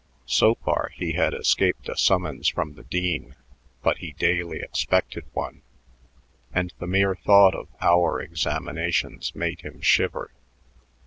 So far he had escaped a summons from the dean, but he daily expected one, and the mere thought of hour examinations made him shiver.